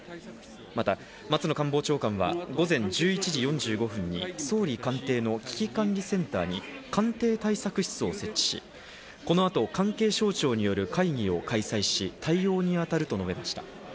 また松野官房長官は、午前１１時４５分に総理官邸の危機管理センターに官邸対策室を設置し、この後、関係省庁による会議を開催し、対応に当たると述べました。